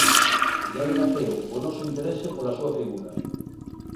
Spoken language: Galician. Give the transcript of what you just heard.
De aí naceu o noso interese pola súa figura.